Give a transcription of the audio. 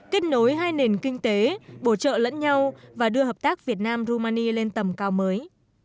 kết nối hai nền kinh tế bổ trợ lẫn nhau và đưa hợp tác việt nam rumani lên tầm cao mới